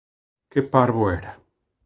Que parvo era.